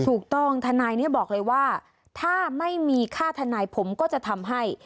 ทนายเนี่ยบอกเลยว่าถ้าไม่มีค่าทนายผมก็จะทำให้